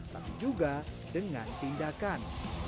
tapi juga dengan tindakan